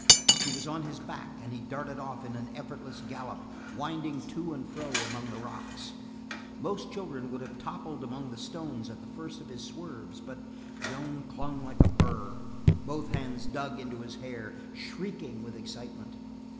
She was on his back and he darted off in an effortless gallop, winding to and fro among the rocks. Most children would have toppled among the stones at the first of his swerves, but Joan clung like a burr, both hands dug into his hair, shrieking with excitement.